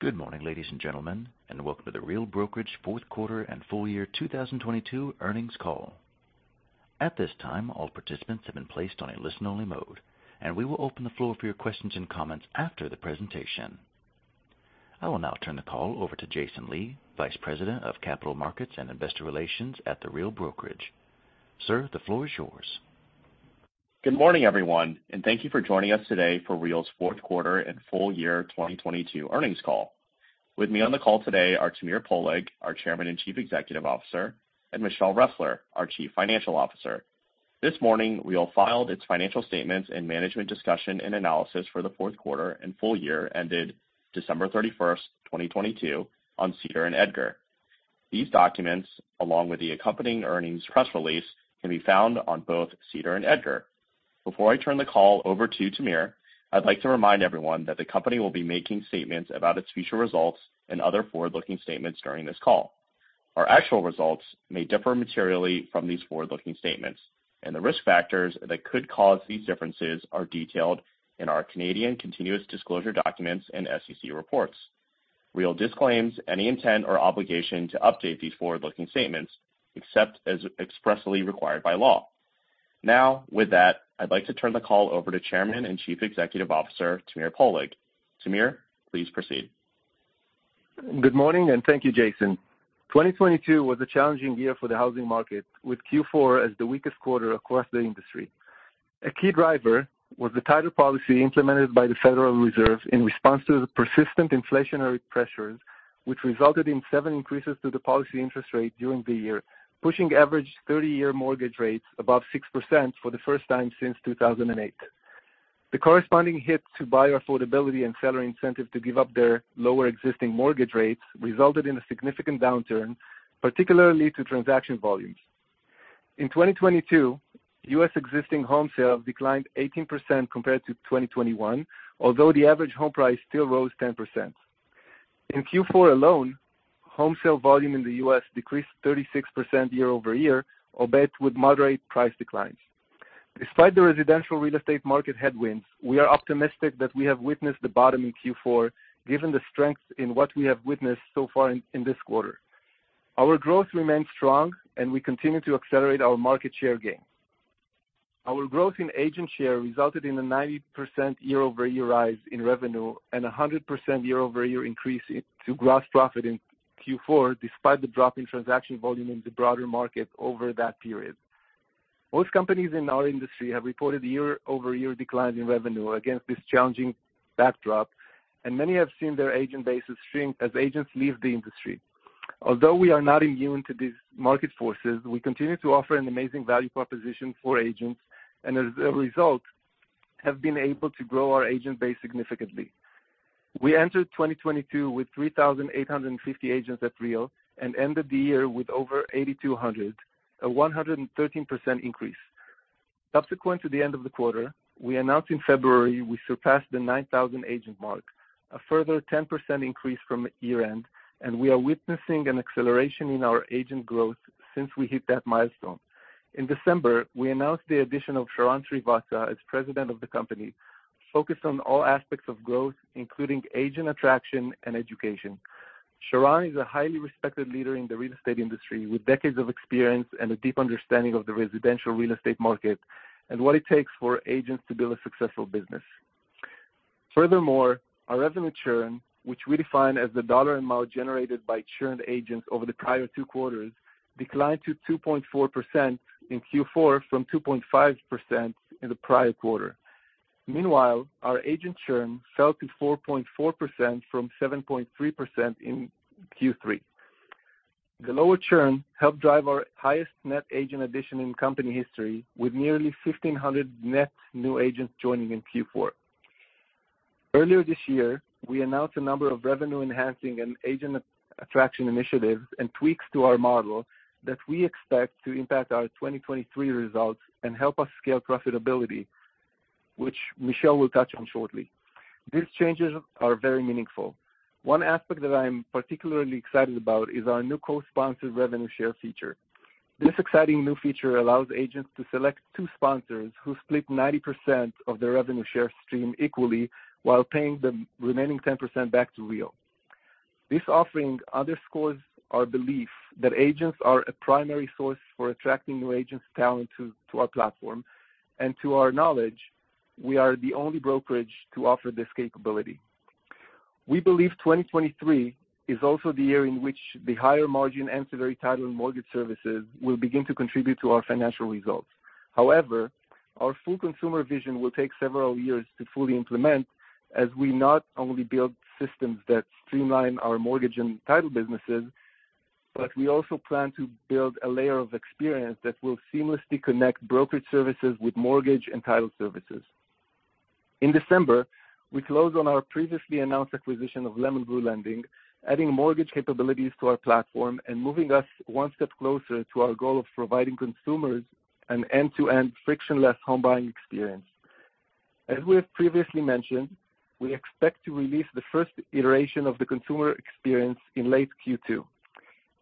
Good morning, ladies and gentlemen, and welcome to The Real Brokerage Fourth Quarter and Full Year 2022 Earnings Call. At this time, all participants have been placed on a listen-only mode, and we will open the floor for your questions and comments after the presentation. I will now turn the call over to Jason Lee, Vice President of Capital Markets and Investor Relations at The Real Brokerage. Sir, the floor is yours. Good morning, everyone, and thank you for joining us today for Real's Fourth Quarter and Full Year 2022 Earnings Call. With me on the call today are Tamir Poleg, our Chairman and Chief Executive Officer, and Michelle Ressler, our Chief Financial Officer. This morning, Real filed its financial statements and management discussion and analysis for the fourth quarter and full year ended December 31st, 2022 on SEDAR and EDGAR. These documents, along with the accompanying earnings press release, can be found on both SEDAR and EDGAR. Before I turn the call over to Tamir, I'd like to remind everyone that the company will be making statements about its future results and other forward-looking statements during this call. Our actual results may differ materially from these forward-looking statements, and the risk factors that could cause these differences are detailed in our Canadian continuous disclosure documents and SEC reports. Real disclaims any intent or obligation to update these forward-looking statements except as expressly required by law. With that, I'd like to turn the call over to Chairman and Chief Executive Officer, Tamir Poleg. Tamir, please proceed. Good morning and thank you, Jason. 2022 was a challenging year for the housing market, with Q4 as the weakest quarter across the industry. A key driver was the tighter policy implemented by the Federal Reserve in response to the persistent inflationary pressures, which resulted in seven increases to the policy interest rate during the year, pushing average 30-year mortgage rates above 6% for the first time since 2008. The corresponding hit to buyer affordability and seller incentive to give up their lower existing mortgage rates resulted in a significant downturn, particularly to transaction volumes. In 2022, U.S. existing home sales declined 18% compared to 2021, although the average home price still rose 10%. In Q4 alone, home sale volume in the U.S. decreased 36% year-over-year, albeit with moderate price declines. Despite the residential real estate market headwinds, we are optimistic that we have witnessed the bottom in Q4, given the strength in what we have witnessed so far in this quarter. Our growth remains strong and we continue to accelerate our market share gains. Our growth in agent share resulted in a 90% year-over-year rise in revenue and a 100% year-over-year increase to gross profit in Q4 despite the drop in transaction volume in the broader market over that period. Most companies in our industry have reported year-over-year declines in revenue against this challenging backdrop, and many have seen their agent bases shrink as agents leave the industry. Although we are not immune to these market forces, we continue to offer an amazing value proposition for agents and as a result have been able to grow our agent base significantly. We entered 2022 with 3,850 agents at Real and ended the year with over 8,200, a 113% increase. Subsequent to the end of the quarter, we announced in February we surpassed the 9,000 agent mark, a further 10% increase from year-end, and we are witnessing an acceleration in our agent growth since we hit that milestone. In December, we announced the addition of Sharran Srivatsaa as President of the company, focused on all aspects of growth, including agent attraction and education. Sharran is a highly respected leader in the real estate industry with decades of experience and a deep understanding of the residential real estate market and what it takes for agents to build a successful business. Furthermore, our revenue churn, which we define as the dollar amount generated by churned agents over the prior two quarters, declined to 2.4% in Q4 from 2.5% in the prior quarter. Meanwhile, our agent churn fell to 4.4% from 7.3% in Q3. The lower churn helped drive our highest net agent addition in company history with nearly 1,500 net new agents joining in Q4. Earlier this year, we announced a number of revenue-enhancing and agent attraction initiatives and tweaks to our model that we expect to impact our 2023 results and help us scale profitability, which Michelle will touch on shortly. These changes are very meaningful. One aspect that I'm particularly excited about is our new co-sponsored revenue share feature. This exciting new feature allows agents to select two sponsors who split 90% of their revenue share stream equally while paying the remaining 10% back to Real. This offering underscores our belief that agents are a primary source for attracting new agents' talent to our platform. To our knowledge, we are the only brokerage to offer this capability. We believe 2023 is also the year in which the higher margin ancillary title and mortgage services will begin to contribute to our financial results. Our full consumer vision will take several years to fully implement as we not only build systems that streamline our mortgage and title businesses, but we also plan to build a layer of experience that will seamlessly connect brokerage services with mortgage and title services. In December, we closed on our previously announced acquisition of LemonBrew Lending, adding mortgage capabilities to our platform and moving us one step closer to our goal of providing consumers an end-to-end frictionless home buying experience. As we have previously mentioned, we expect to release the first iteration of the consumer experience in late Q2.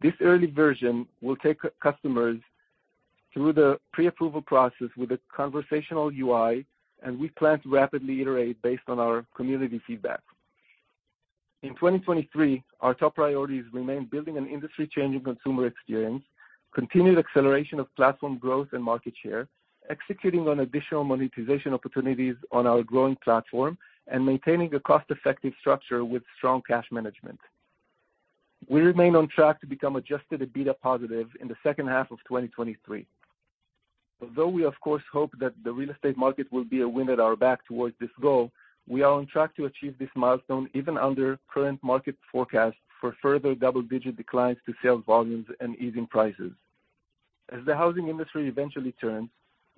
This early version will take c-customers-Through the pre-approval process with a conversational UI, and we plan to rapidly iterate based on our community feedback. In 2023, our top priorities remain building an industry-changing consumer experience, continued acceleration of platform growth and market share, executing on additional monetization opportunities on our growing platform, and maintaining a cost-effective structure with strong cash management. We remain on track to become adjusted EBITDA positive in the second half of 2023. Although we of course hope that the real estate market will be a wind at our back towards this goal, we are on track to achieve this milestone even under current market forecasts for further double-digit declines to sales volumes and easing prices. As the housing industry eventually turns,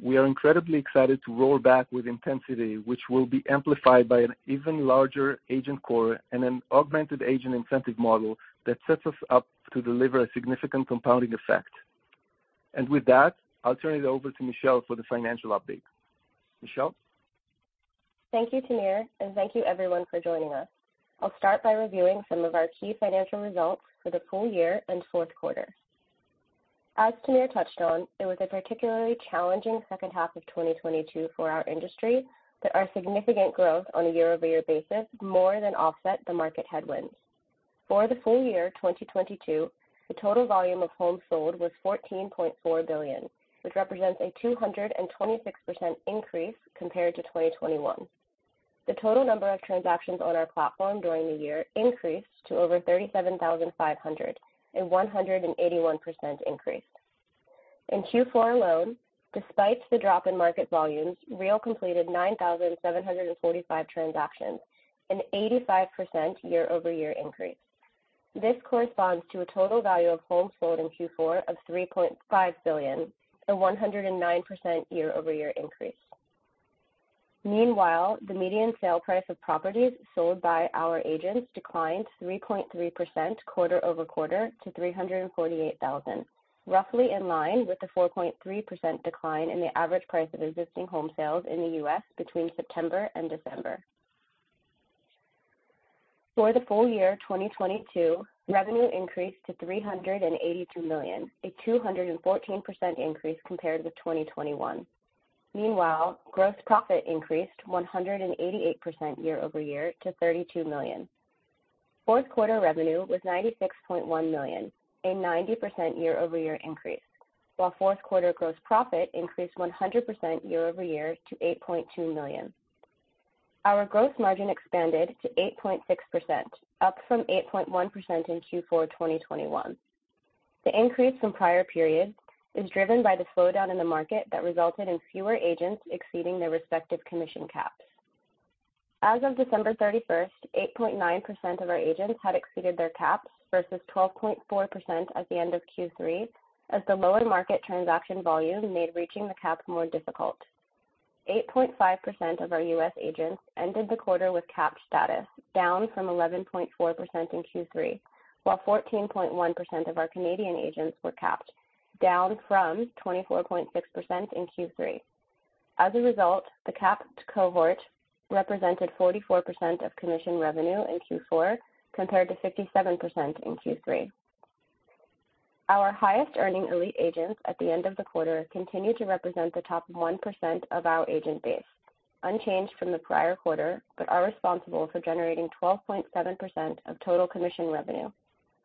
we are incredibly excited to roll back with intensity, which will be amplified by an even larger agent corps and an augmented agent incentive model that sets us up to deliver a significant compounding effect. With that, I'll turn it over to Michelle for the financial update. Michelle? Thank you, Tamir, and thank you everyone for joining us. I'll start by reviewing some of our key financial results for the full year and fourth quarter. As Tamir touched on, it was a particularly challenging second half of 2022 for our industry, but our significant growth on a year-over-year basis more than offset the market headwinds. For the full year 2022, the total volume of homes sold was $14.4 billion, which represents a 226% increase compared to 2021. The total number of transactions on our platform during the year increased to over 37,500, a 181% increase. In Q4 alone, despite the drop in market volumes, Real completed 9,745 transactions, an 85% year-over-year increase. This corresponds to a total value of homes sold in Q4 of $3.5 billion, a 109% year-over-year increase. Meanwhile, the median sale price of properties sold by our agents declined 3.3% quarter-over-quarter to $348,000, roughly in line with the 4.3% decline in the average price of existing home sales in the U.S. between September and December. For the full year 2022, revenue increased to $382 million, a 214% increase compared with 2021. Meanwhile, gross profit increased 188% year-over-year to $32 million. Fourth quarter revenue was $96.1 million, a 90% year-over-year increase, while fourth quarter gross profit increased 100% year-over-year to $8.2 million. Our gross margin expanded to 8.6%, up from 8.1% in Q4 2021. The increase from prior periods is driven by the slowdown in the market that resulted in fewer agents exceeding their respective commission caps. As of December 31, 8.9% of our agents had exceeded their caps versus 12.4% at the end of Q3, as the lower market transaction volume made reaching the caps more difficult. 8.5% of our U.S. agents ended the quarter with capped status, down from 11.4% in Q3, while 14.1% of our Canadian agents were capped, down from 24.6% in Q3. The capped cohort represented 44% of commission revenue in Q4, compared to 57% in Q3. Our highest earning elite agents at the end of the quarter continue to represent the top 1% of our agent base, unchanged from the prior quarter, but are responsible for generating 12.7% of total commission revenue,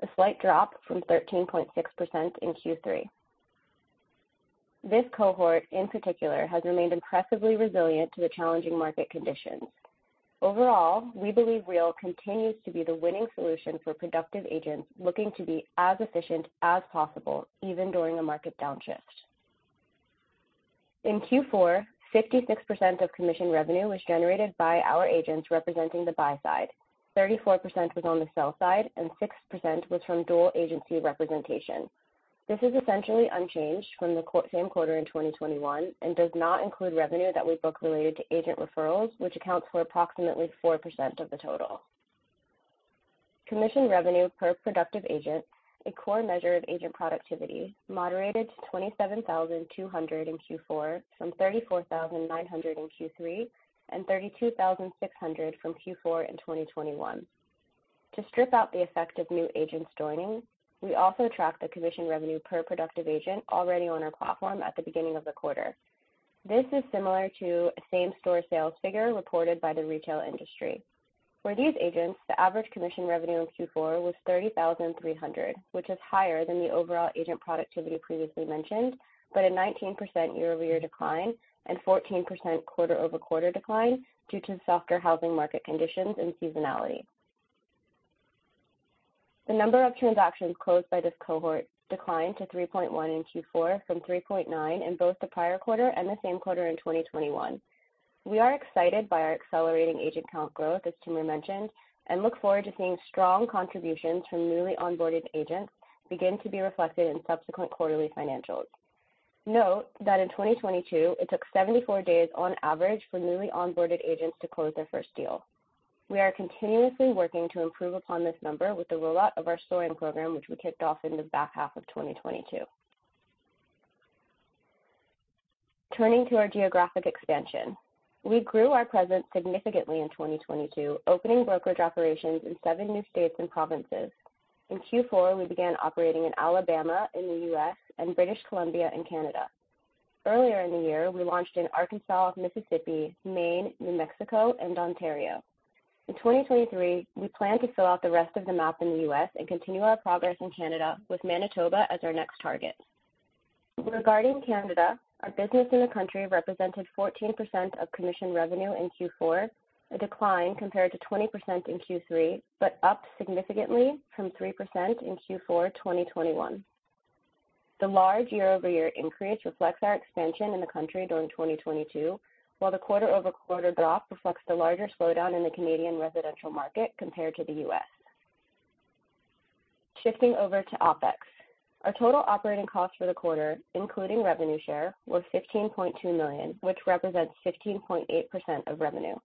a slight drop from 13.6% in Q3. This cohort, in particular, has remained impressively resilient to the challenging market conditions. Overall, we believe Real continues to be the winning solution for productive agents looking to be as efficient as possible, even during a market downshift. In Q4, 56% of commission revenue was generated by our agents representing the buy side, 34% was on the sell side, and 6% was from dual agency representation. This is essentially unchanged from the same quarter in 2021 and does not include revenue that we book related to agent referrals, which accounts for approximately 4% of the total. Commission revenue per productive agent, a core measure of agent productivity, moderated to $27,200 in Q4 from $34,900 in Q3, and $32,600 from Q4 in 2021. To strip out the effect of new agents joining, we also track the commission revenue per productive agent already on our platform at the beginning of the quarter. This is similar to a same-store sales figure reported by the retail industry. For these agents, the average commission revenue in Q4 was $30,300, which is higher than the overall agent productivity previously mentioned, but a 19% year-over-year decline and 14% quarter-over-quarter decline due to softer housing market conditions and seasonality. The number of transactions closed by this cohort declined to 3.1 in Q4 from 3.9 in both the prior quarter and the same quarter in 2021. We are excited by our accelerating agent count growth, as Tamir mentioned, and look forward to seeing strong contributions from newly onboarded agents begin to be reflected in subsequent quarterly financials. Note that in 2022, it took 74 days on average for newly onboarded agents to close their first deal. We are continuously working to improve upon this number with the rollout of our STORR program, which we kicked off in the back half of 2022. Turning to our geographic expansion. We grew our presence significantly in 2022, opening brokerage operations in seven new states and provinces. In Q4, we began operating in Alabama, in the U.S., and British Columbia in Canada. Earlier in the year, we launched in Arkansas, Mississippi, Maine, New Mexico and Ontario. In 2023, we plan to fill out the rest of the map in the U.S. and continue our progress in Canada with Manitoba as our next target. Regarding Canada, our business in the country represented 14% of commission revenue in Q4, a decline compared to 20% in Q3, but up significantly from 3% in Q4 2021. The large year-over-year increase reflects our expansion in the country during 2022, while the quarter-over-quarter drop reflects the larger slowdown in the Canadian residential market compared to the US. Shifting over to OpEx. Our total operating costs for the quarter, including revenue share, was $15.2 million, which represents 15.8% of revenue.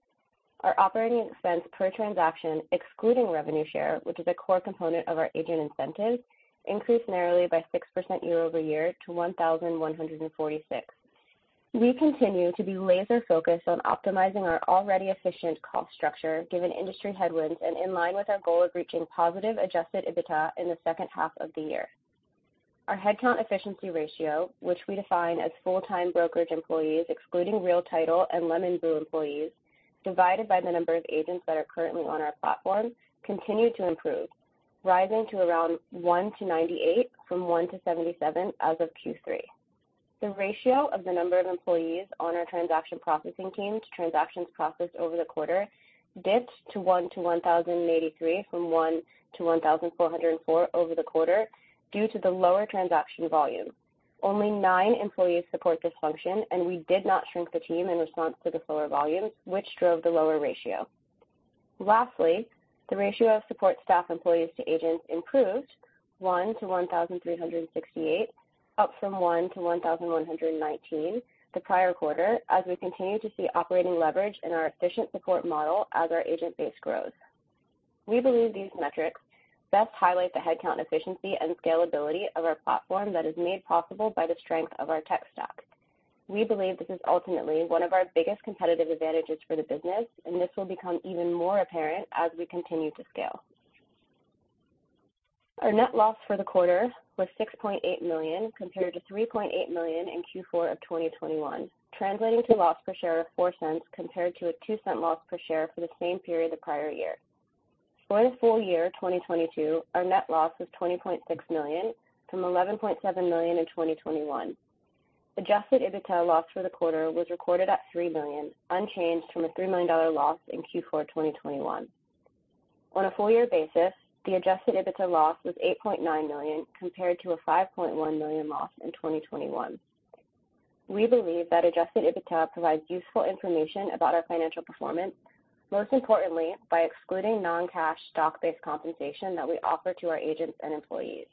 Our operating expense per transaction, excluding revenue share, which is a core component of our agent incentive, increased narrowly by 6% year-over-year to $1,146. We continue to be laser-focused on optimizing our already efficient cost structure, given industry headwinds and in line with our goal of reaching positive adjusted EBITDA in the second half of the year. Our headcount efficiency ratio, which we define as full-time brokerage employees, excluding Real Title and LemonBrew employees, divided by the number of agents that are currently on our platform, continued to improve, rising to around 1 to 98 from 1 to 77 as of Q3. The ratio of the number of employees on our transaction processing team to transactions processed over the quarter dipped to 1 to 1,083 from 1 to 1,404 over the quarter due to the lower transaction volume. Only 9 employees support this function, we did not shrink the team in response to the slower volumes which drove the lower ratio. Lastly, the ratio of support staff employees to agents improved 1 to 1,368, up from 1 to 1,119 the prior quarter, as we continue to see operating leverage in our efficient support model as our agent base grows. We believe these metrics best highlight the headcount efficiency and scalability of our platform that is made possible by the strength of our tech stack. We believe this is ultimately one of our biggest competitive advantages for the business, and this will become even more apparent as we continue to scale. Our net loss for the quarter was $6.8 million, compared to $3.8 million in Q4 of 2021, translating to a loss per share of $0.04 compared to a $0.02 loss per share for the same period the prior year. For the full year 2022, our net loss was $20.6 million from $11.7 million in 2021. Adjusted EBITDA loss for the quarter was recorded at $3 million, unchanged from a $3 million loss in Q4 2021. On a full year basis, the adjusted EBITDA loss was $8.9 million, compared to a $5.1 million loss in 2021. We believe that adjusted EBITDA provides useful information about our financial performance, most importantly by excluding non-cash stock-based compensation that we offer to our agents and employees.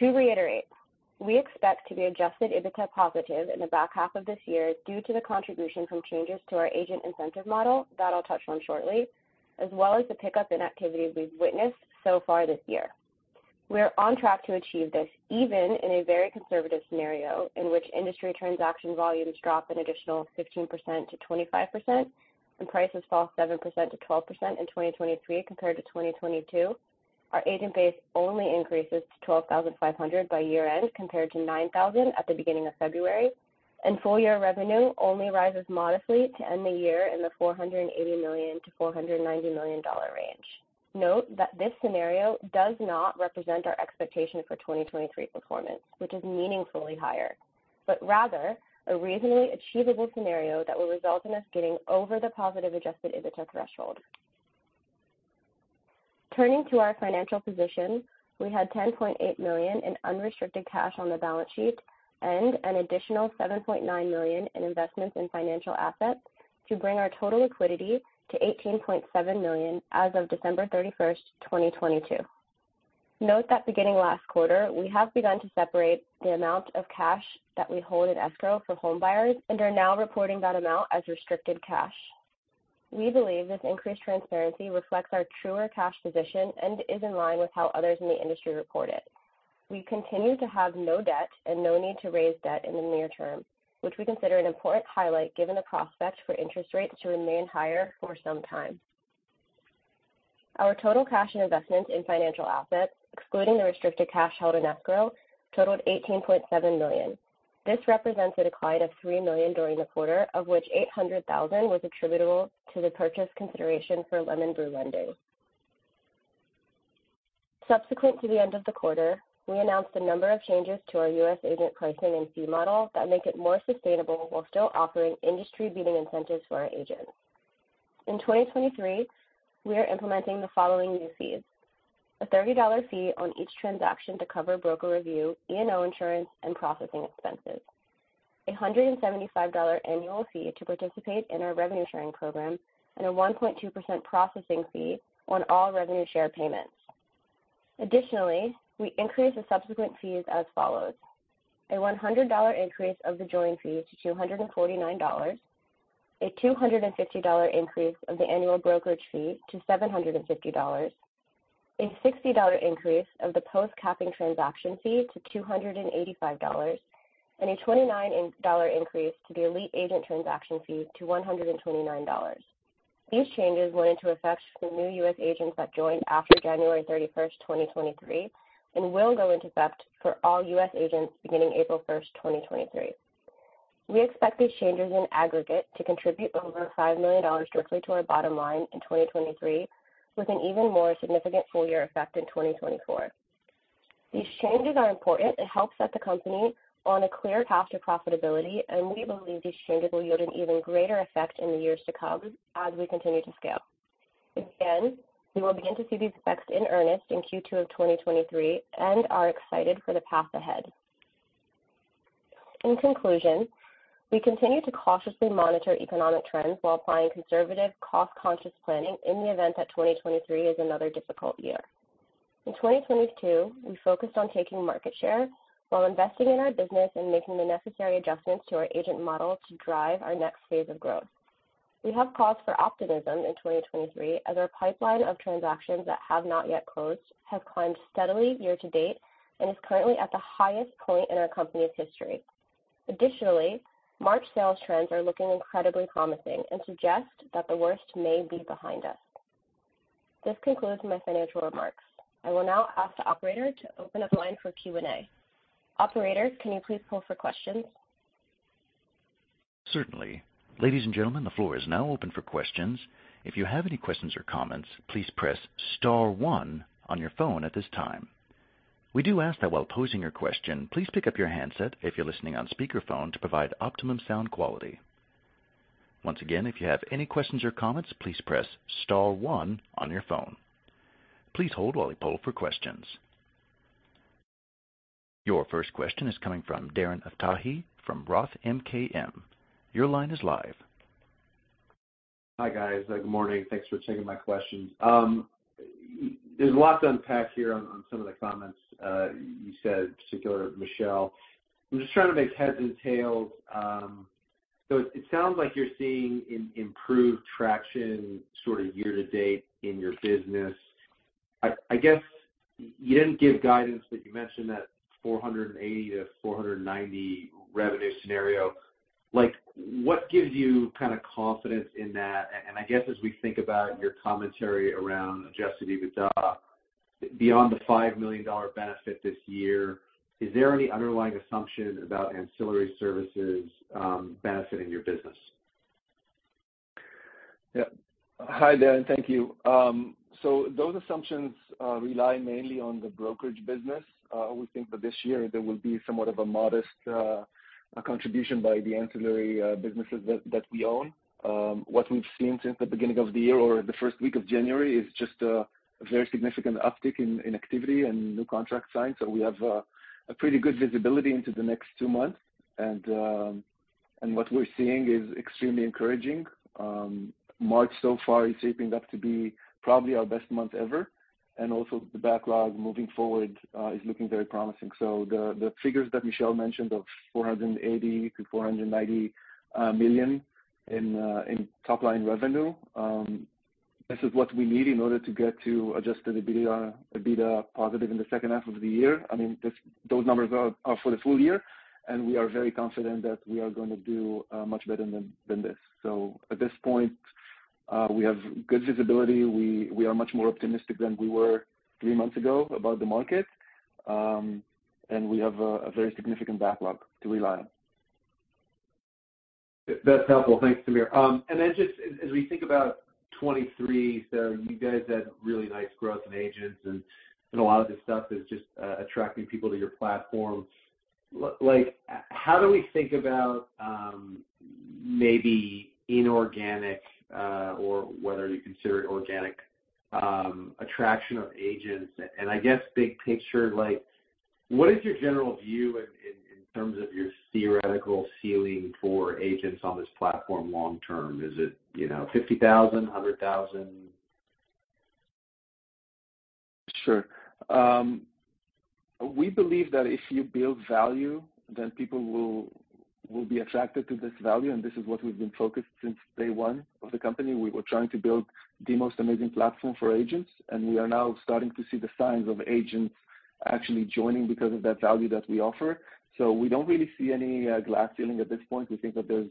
To reiterate, we expect to be adjusted EBITDA positive in the back half of this year due to the contribution from changes to our agent incentive model that I'll touch on shortly, as well as the pickup in activity we've witnessed so far this year. We are on track to achieve this even in a very conservative scenario in which industry transaction volumes drop an additional 15%-25% and prices fall 7%-12% in 2023 compared to 2022. Our agent base only increases to 12,500 by year-end, compared to 9,000 at the beginning of February, and full year revenue only rises modestly to end the year in the $480 million-$490 million range. Note that this scenario does not represent our expectation for 2023 performance, which is meaningfully higher, but rather a reasonably achievable scenario that will result in us getting over the positive adjusted EBITDA threshold. Turning to our financial position. We had $10.8 million in unrestricted cash on the balance sheet and an additional $7.9 million in investments in financial assets to bring our total liquidity to $18.7 million as of December 31, 2022. Note that beginning last quarter, we have begun to separate the amount of cash that we hold in escrow for home buyers and are now reporting that amount as restricted cash. We believe this increased transparency reflects our truer cash position and is in line with how others in the industry report it. We continue to have no debt and no need to raise debt in the near term, which we consider an important highlight given the prospect for interest rates to remain higher for some time. Our total cash and investment in financial assets, excluding the restricted cash held in escrow, totaled $18.7 million. This represents a decline of $3 million during the quarter, of which $800,000 was attributable to the purchase consideration for LemonBrew Lending. Subsequent to the end of the quarter, we announced a number of changes to our US agent pricing and fee model that make it more sustainable while still offering industry-leading incentives for our agents. In 2023, we are implementing the following new fees: a $30 fee on each transaction to cover broker review, E&O insurance, and processing expenses, a $175 annual fee to participate in our revenue sharing program, and a 1.2% processing fee on all revenue share payments. Additionally, we increased the subsequent fees as follows: a $100 increase of the join fee to $249, a $250 increase of the annual brokerage fee to $750. A $60 increase of the post-capping transaction fee to $285 and a $29 increase to the elite agent transaction fee to $129. These changes went into effect for new U.S. agents that joined after January 31st, 2023, and will go into effect for all U.S. agents beginning April 1st, 2023. We expect these changes in aggregate to contribute over $5 million directly to our bottom line in 2023, with an even more significant full year effect in 2024. These changes are important. It helps set the company on a clear path to profitability, and we believe these changes will yield an even greater effect in the years to come as we continue to scale. We will begin to see these effects in earnest in Q2 of 2023 and are excited for the path ahead. In conclusion, we continue to cautiously monitor economic trends while applying conservative cost-conscious planning in the event that 2023 is another difficult year. In 2022, we focused on taking market share while investing in our business and making the necessary adjustments to our agent model to drive our next phase of growth. We have cause for optimism in 2023 as our pipeline of transactions that have not yet closed have climbed steadily year to date and is currently at the highest point in our company's history. Additionally, March sales trends are looking incredibly promising and suggest that the worst may be behind us. This concludes my financial remarks. I will now ask the operator to open up the line for Q&A. Operator, can you please poll for questions? Certainly. Ladies and gentlemen, the floor is now open for questions. If you have any questions or comments, please press star one on your phone at this time. We do ask that while posing your question, please pick up your handset if you're listening on speakerphone to provide optimum sound quality. Once again, if you have any questions or comments, please press star one on your phone. Please hold while we poll for questions. Your first question is coming from Darren Aftahi from Roth MKM. Your line is live. Hi, guys. Good morning. Thanks for taking my questions. There's lots to unpack here on some of the comments you said, particular Michelle. I'm just trying to make heads and tails. It sounds like you're seeing improved traction sort of year to date in your business. I guess you didn't give guidance, but you mentioned that 480 to 490 revenue scenario. Like, what gives you kinda confidence in that? I guess as we think about your commentary around adjusted EBITDA, beyond the $5 million benefit this year, is there any underlying assumption about ancillary services benefiting your business? Hi, Darren. Thank you. Those assumptions rely mainly on the brokerage business. We think that this year there will be somewhat of a modest contribution by the ancillary businesses that we own. What we've seen since the beginning of the year or the first week of January is just a very significant uptick in activity and new contract signs. We have a pretty good visibility into the next two months. What we're seeing is extremely encouraging. March so far is shaping up to be probably our best month ever, and also the backlog moving forward is looking very promising. The figures that Michelle mentioned of $480 million-$490 million in top line revenue, this is what we need in order to get to adjusted EBITDA positive in the second half of the year. I mean, those numbers are for the full year, and we are very confident that we are gonna do much better than this. At this point, we have good visibility. We are much more optimistic than we were three months ago about the market. We have a very significant backlog to rely on. That's helpful. Thanks, Tamir. Then just as we think about 2023, you guys had really nice growth in agents and a lot of this stuff is just attracting people to your platform. Like, how do we think about maybe inorganic or whether you consider it organic attraction of agents? I guess big picture, like what is your general view in, in terms of your theoretical ceiling for agents on this platform long term? Is it, you know, 50,000, 100,000? Sure. We believe that if you build value, then people will be attracted to this value. This is what we've been focused since day one of the company. We were trying to build the most amazing platform for agents. We are now starting to see the signs of agents actually joining because of that value that we offer. We don't really see any glass ceiling at this point. We think that there's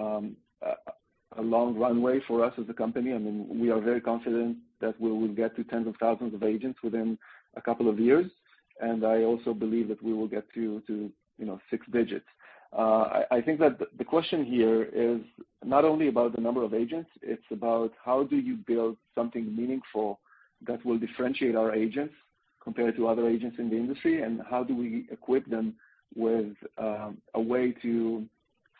a long runway for us as a company. I mean, we are very confident that we will get to tens of thousands of agents within a couple of years. I also believe that we will get to, you know, six digits. I think that the question here is not only about the number of agents, it's about how do you build something meaningful that will differentiate our agents compared to other agents in the industry, and how do we equip them with a way to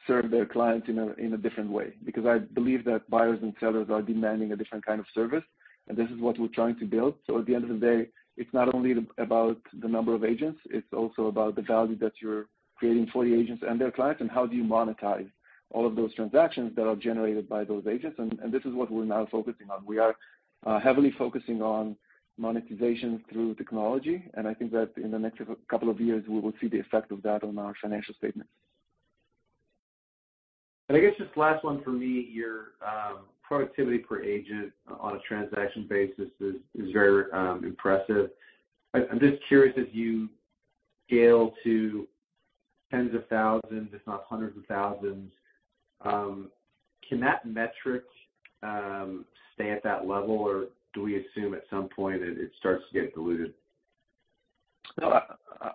serve their clients in a different way? Because I believe that buyers and sellers are demanding a different kind of service, and this is what we're trying to build. At the end of the day, it's not only about the number of agents, it's also about the value that you're creating for the agents and their clients, and how do you monetize all of those transactions that are generated by those agents? This is what we're now focusing on. We are heavily focusing on monetization through technology. I think that in the next couple of years, we will see the effect of that on our financial statements. I guess just last one for me. Your productivity per agent on a transaction basis is very impressive. I'm just curious as you scale to tens of thousands, if not hundreds of thousands, can that metric stay at that level, or do we assume at some point it starts to get diluted? No,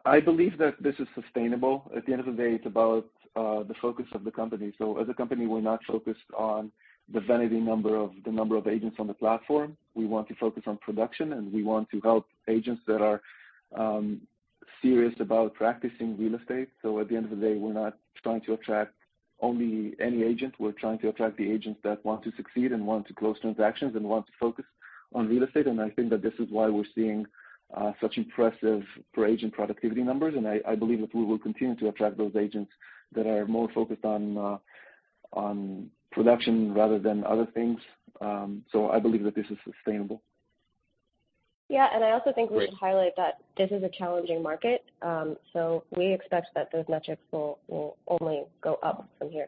I believe that this is sustainable. At the end of the day, it's about the focus of the company. As a company, we're not focused on the vanity number of the number of agents on the platform. We want to focus on production, and we want to help agents that are serious about practicing real estate. At the end of the day, we're not trying to attract only any agent. We're trying to attract the agents that want to succeed and want to close transactions and want to focus on real estate. I think that this is why we're seeing such impressive per agent productivity numbers. I believe that we will continue to attract those agents that are more focused on production rather than other things. I believe that this is sustainable. Yeah. I also think we should highlight that this is a challenging market, so we expect that those metrics will only go up from here.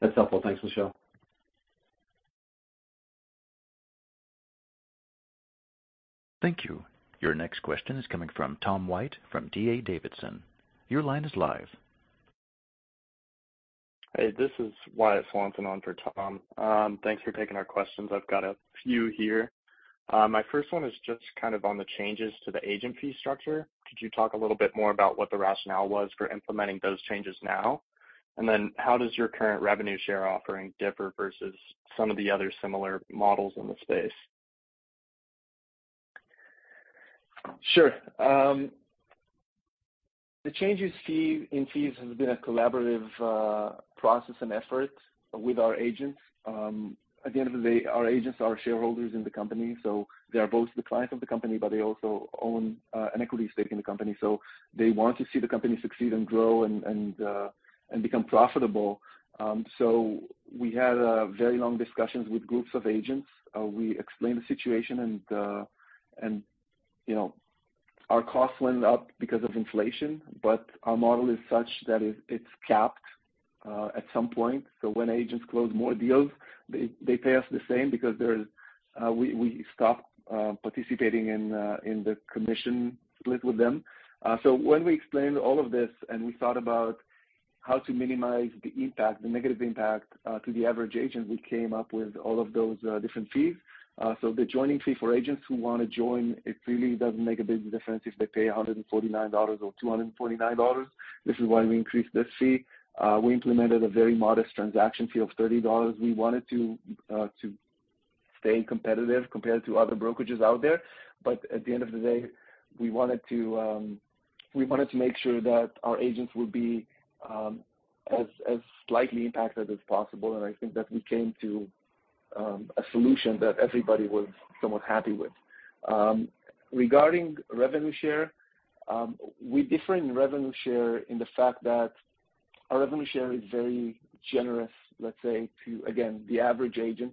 That's helpful. Thanks, Michelle. Thank you. Your next question is coming from Tom White from D.A. Davidson. Your line is live. Hey, this is Wyatt Swanson on for Tom. Thanks for taking our questions. I've got a few here. My first one is just kind of on the changes to the agent fee structure. Could you talk a little bit more about what the rationale was for implementing those changes now? How does your current revenue share offering differ versus some of the other similar models in the space? Sure. The changes in fees has been a collaborative process and effort with our agents. At the end of the day, our agents are shareholders in the company. They are both the client of the company, but they also own an equity stake in the company. They want to see the company succeed and grow and become profitable. We had very long discussions with groups of agents. We explained the situation and, you know, our costs went up because of inflation, but our model is such that it's capped at some point. When agents close more deals, they pay us the same because there's we stop participating in the commission split with them. When we explained all of this and we thought about how to minimize the impact, the negative impact, to the average agent, we came up with all of those different fees. The joining fee for agents who wanna join, it really doesn't make a big difference if they pay $149 or $249. This is why we increased this fee. We implemented a very modest transaction fee of $30. We wanted to stay competitive compared to other brokerages out there. At the end of the day, we wanted to make sure that our agents would be as slightly impacted as possible. I think that we came to a solution that everybody was somewhat happy with. Regarding revenue share, we differ in revenue share in the fact that our revenue share is very generous, let's say, to, again, the average agent.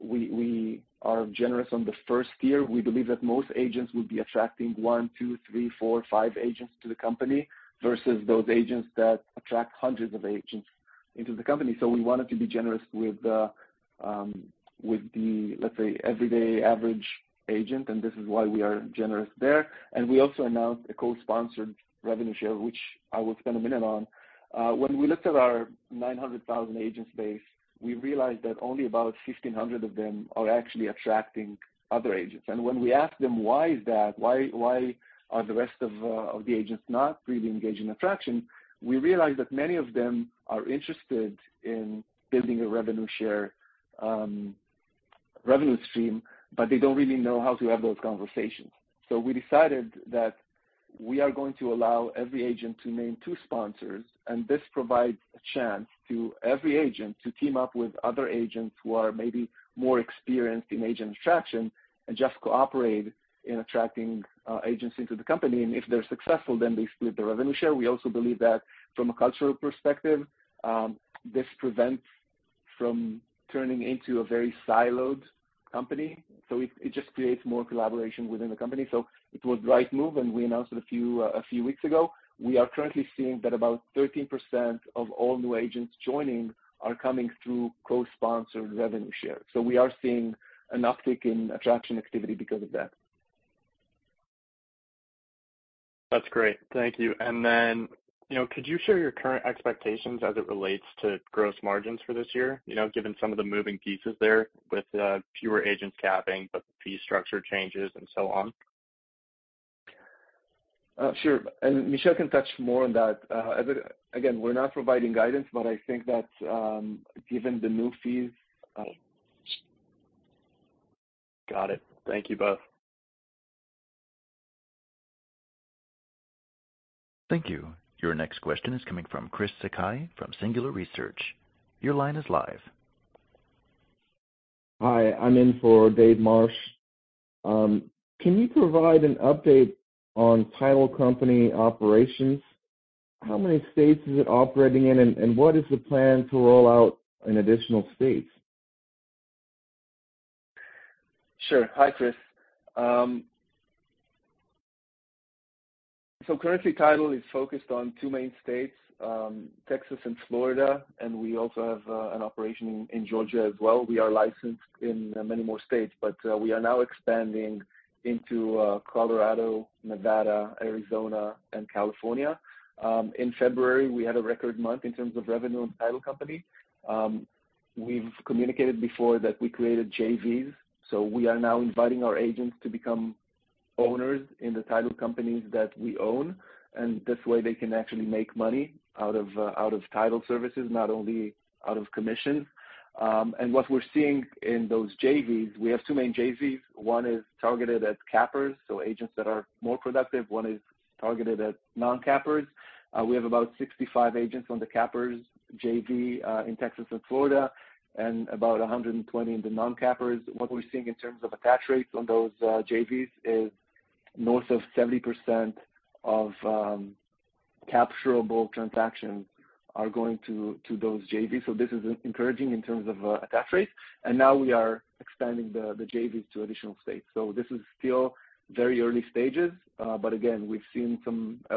We are generous on the first year. We believe that most agents will be attracting one, two, three, four, five agents to the company versus those agents that attract hundreds of agents into the company. We wanted to be generous with the, let's say, everyday average agent, and this is why we are generous there. We also announced a co-sponsored revenue share, which I will spend a minute on. When we looked at our 900,000 agent base, we realized that only about 1,500 of them are actually attracting other agents. When we asked them why is that, why are the rest of the agents not really engaged in attraction, we realized that many of them are interested in building a revenue share revenue stream, but they don't really know how to have those conversations. We decided that we are going to allow every agent to name two sponsors, and this provides a chance to every agent to team up with other agents who are maybe more experienced in agent attraction and just cooperate in attracting agents into the company. If they're successful, they split the revenue share. We also believe that from a cultural perspective, this prevents from turning into a very siloed company. It just creates more collaboration within the company. It was the right move, and we announced it a few weeks ago. We are currently seeing that about 13% of all new agents joining are coming through co-sponsored revenue share. We are seeing an uptick in attraction activity because of that. That's great. Thank you. Then, you know, could you share your current expectations as it relates to gross margins for this year? You know, given some of the moving pieces there with fewer agents capping, the fee structure changes and so on. Sure. Michelle can touch more on that. again, we're not providing guidance, but I think that, given the new fees... Got it. Thank you both. Thank you. Your next question is coming from Chris Sakai from Singular Research. Your line is live. Hi. I'm in for David Marsh. Can you provide an update on title company operations? How many states is it operating in, and what is the plan to roll out in additional states? Sure. Hi, Chris. Currently Title is focused on 2 main states, Texas and Florida, and we also have an operation in Georgia as well. We are licensed in many more states, but we are now expanding into Colorado, Nevada, Arizona and California. In February, we had a record month in terms of revenue in Real Title company. We've communicated before that we created JVs, so we are now inviting our agents to become owners in the Real Title companies that we own. This way, they can actually make money out of Real Title services, not only out of commission. What we're seeing in those JVs, we have 2 main JVs. 1 is targeted at cappers, so agents that are more productive. 1 is targeted at non-cappers. We have about 65 agents on the cappers JV in Texas and Florida, and about 120 in the non-cappers. What we're seeing in terms of attach rates on those JVs is north of 70% of capturable transactions are going to those JVs. This is encouraging in terms of attach rates. Now we are expanding the JVs to additional states. This is still very early stages. Again, we've seen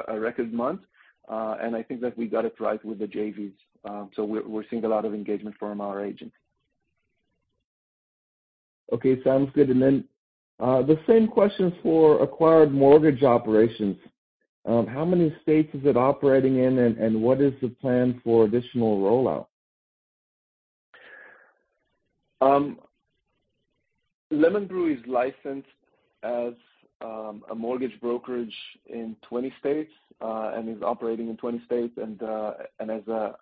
a record month. I think that we got it right with the JVs. We're seeing a lot of engagement from our agents. Okay, sounds good. The same question for acquired mortgage operations. How many states is it operating in, and what is the plan for additional rollout? LemonBrew is licensed as a mortgage brokerage in 20 states and is operating in 20 states and as a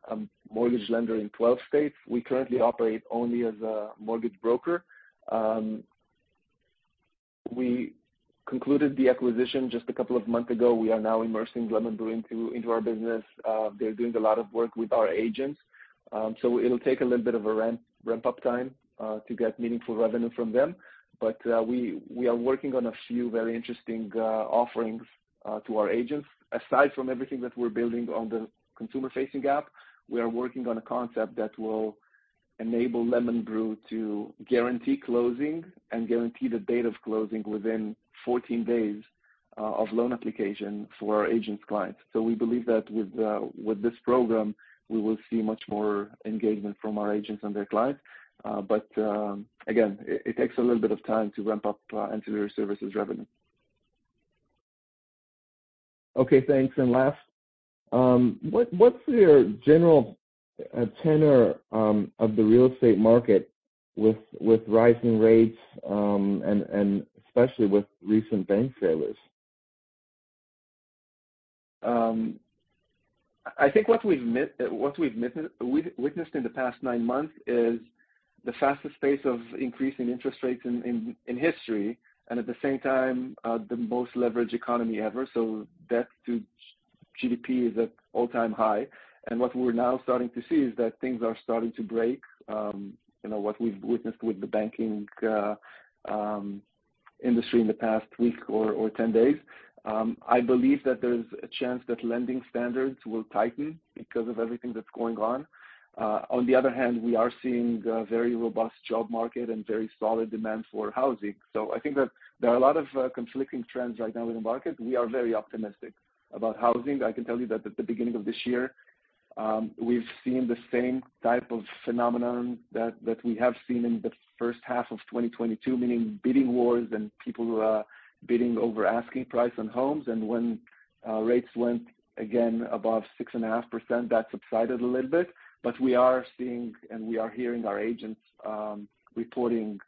mortgage lender in 12 states. We currently operate only as a mortgage broker. We concluded the acquisition just a couple of months ago. We are now immersing LemonBrew into our business. They're doing a lot of work with our agents. So it'll take a little bit of a ramp-up time to get meaningful revenue from them. We are working on a few very interesting offerings to our agents. Aside from everything that we're building on the consumer-facing app, we are working on a concept that will enable LemonBrew to guarantee closing and guarantee the date of closing within 14 days of loan application for our agents' clients. We believe that with this program, we will see much more engagement from our agents and their clients. Again, it takes a little bit of time to ramp up, ancillary services revenue. Okay, thanks. Last, what's your general tenor of the real estate market with rising rates, and especially with recent bank failures? I think what we've witnessed in the past 9 months is the fastest pace of increasing interest rates in history, at the same time, the most leveraged economy ever. Debt-to-GDP is at all-time high. What we're now starting to see is that things are starting to break, you know, what we've witnessed with the banking industry in the past week or 10 days. I believe that there's a chance that lending standards will tighten because of everything that's going on. On the other hand, we are seeing a very robust job market and very solid demand for housing. I think that there are a lot of conflicting trends right now in the market. We are very optimistic about housing. I can tell you that at the beginning of this year, we've seen the same type of phenomenon that we have seen in the first half of 2022, meaning bidding wars and people bidding over asking price on homes. When rates went again above 6.5%, that subsided a little bit. We are seeing and we are hearing our agents reporting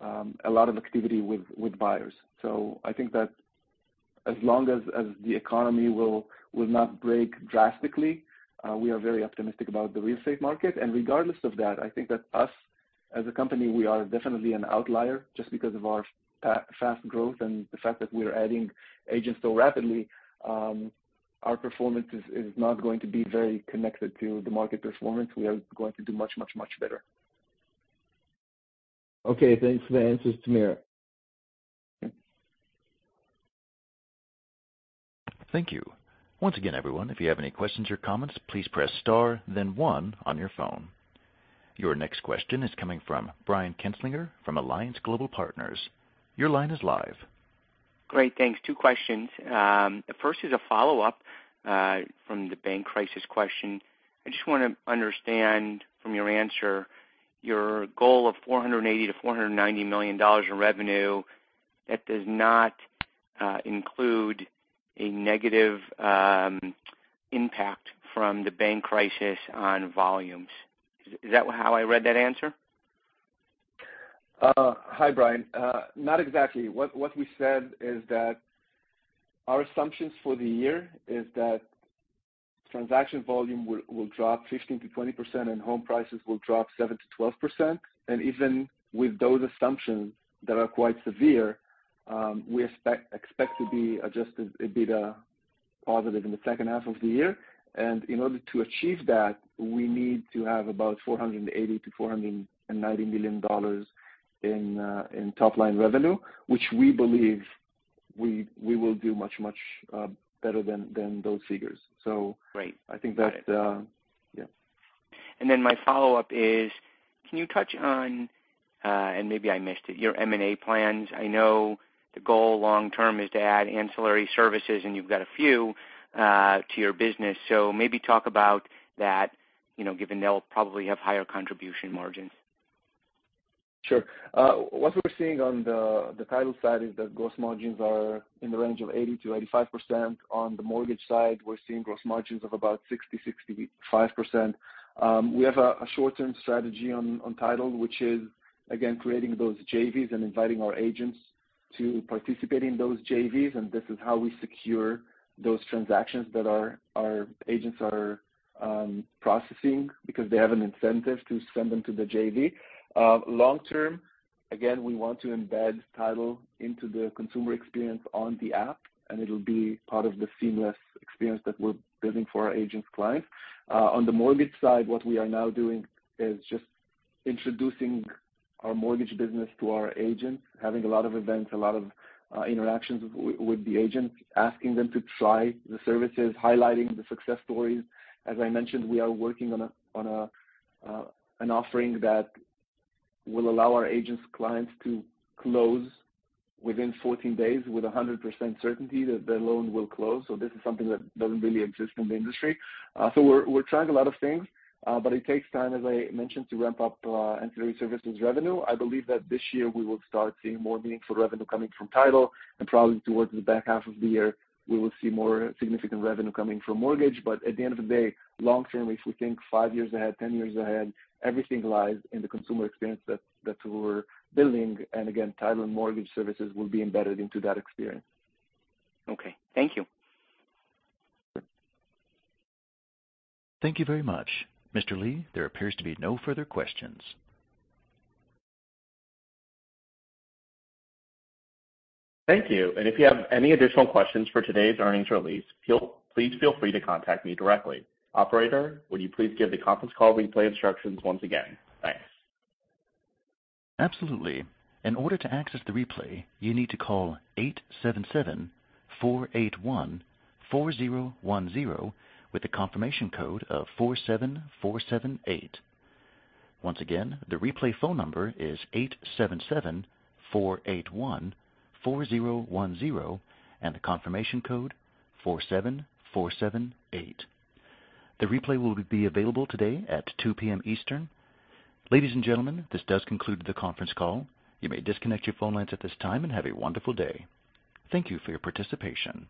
a lot of activity with buyers. I think that as long as the economy will not break drastically, we are very optimistic about the real estate market. Regardless of that, I think that us, as a company, we are definitely an outlier just because of our fast growth and the fact that we're adding agents so rapidly. Our performance is not going to be very connected to the market performance. We are going to do much better. Okay. Thanks for the answers, Tamir. Thank you. Once again, everyone, if you have any questions or comments, please press star then one on your phone. Your next question is coming from Brian Kinstlinger from Alliance Global Partners. Your line is live. Great. Thanks. Two questions. The first is a follow-up from the bank crisis question. I just wanna understand from your answer, your goal of $480 million-$490 million in revenue, that does not include a negative impact from the bank crisis on volumes. Is that how I read that answer? Hi, Brian. Not exactly. What we said is that our assumptions for the year is that transaction volume will drop 15%-20% and home prices will drop 7%-12%. Even with those assumptions that are quite severe, we expect to be adjusted EBITDA positive in the second half of the year. In order to achieve that, we need to have about $480 million-$490 million in top line revenue, which we believe we will do much, much better than those figures. Great. I think that. Yeah. My follow-up is, can you touch on, and maybe I missed it, your M&A plans? I know the goal long term is to add ancillary services, and you've got a few to your business, so maybe talk about that, you know, given they'll probably have higher contribution margins. Sure. What we're seeing on the title side is that gross margins are in the range of 80%-85%. On the mortgage side, we're seeing gross margins of about 60%-65%. We have a short-term strategy on title, which is again, creating those JVs and inviting our agents to participate in those JVs. This is how we secure those transactions that our agents are processing because they have an incentive to send them to the JV. Long term, again, we want to embed title into the consumer experience on the app, and it'll be part of the seamless experience that we're building for our agents' clients. On the mortgage side, what we are now doing is just introducing our mortgage business to our agents, having a lot of events, a lot of interactions with the agents, asking them to try the services, highlighting the success stories. As I mentioned, we are working on an offering that will allow our agents' clients to close within 14 days with 100% certainty that the loan will close. This is something that doesn't really exist in the industry. We're trying a lot of things. But it takes time, as I mentioned, to ramp up ancillary services revenue. I believe that this year we will start seeing more meaningful revenue coming from title and probably towards the back half of the year, we will see more significant revenue coming from mortgage. At the end of the day, long term, if we think five years ahead, ten years ahead, everything lies in the consumer experience that we're building. Again, title and mortgage services will be embedded into that experience. Okay. Thank you. Thank you very much. Mr. Lee, there appears to be no further questions. Thank you. If you have any additional questions for today's earnings release, please feel free to contact me directly. Operator, would you please give the conference call replay instructions once again? Thanks. Absolutely. In order to access the replay, you need to call 8774814010 with the confirmation code of 47478. Once again, the replay phone number is 8774814010 and the confirmation code 47478. The replay will be available today at 2:00 P.M. Eastern. Ladies and gentlemen, this does conclude the conference call. You may disconnect your phone lines at this time and have a wonderful day. Thank you for your participation.